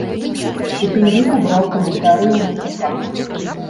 У тым ліку браў каментарыі ў мастака.